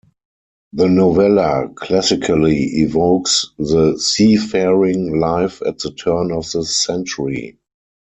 The novella classically evokes the seafaring life at the turn of the century.